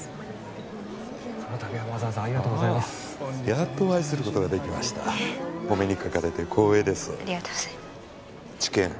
このたびはわざわざありがとうございますやっとお会いすることができましたお目にかかれて光栄ですありがとうございます